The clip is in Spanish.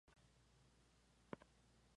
Está ubicada en la ciudad sagrada de Medina.